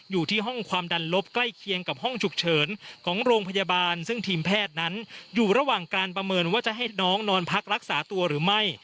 อยู่ที่ห้องความดันลบใกล้เคียงกับห้องฉุกเฉินของโรงพยาบาลซึ่งทีมแพทย์นั้นอยู่ระหว่างการประเมินว่าจะให้น้องนอนพักรักษาตัวหรือไม่